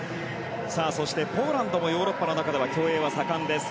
そしてポーランドもヨーロッパの中では競泳が盛んです。